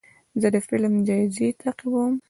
زه د فلم جایزې تعقیبوم.